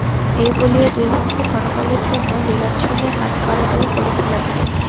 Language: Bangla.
এই বলিয়া দুই বন্ধু ক্ষণকালের জন্য লীলাচ্ছলে হাত কাড়াকাড়ি করিতে লাগিল।